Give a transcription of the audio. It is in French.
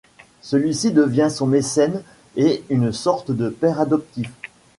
Celui-ci devient son mécène et une sorte de père adoptif.